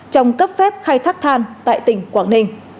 trong cấp phép khai thác than tại tỉnh quảng ninh